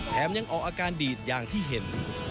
ยังออกอาการดีดอย่างที่เห็น